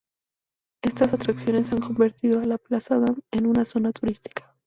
Estas atracciones han convertido a la plaza Dam en una zona turística.